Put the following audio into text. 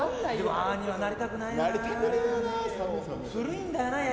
ああはなりたくないよな。